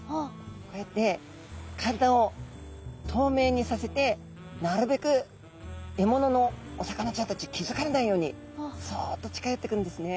こうやって体を透明にさせてなるべく獲物のお魚ちゃんたち気付かれないようにそっと近寄ってくるんですね。